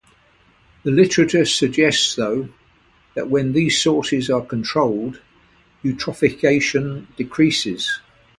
The literature suggests, though, that when these sources are controlled, eutrophication decreases.